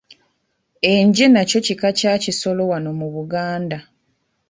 Enje nakyo kika kya kisolo wano mu Buganda.